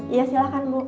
iya silahkan bu